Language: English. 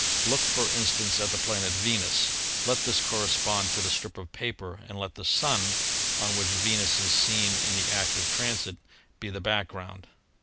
"Look, for instance, at the planet Venus ; let this corre spond to the strip of paper and let the Sun, on which Venus is seen in the act of transit, be the background.